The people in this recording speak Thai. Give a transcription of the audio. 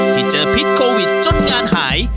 ที่เจอพิษโควิดจนงานหาย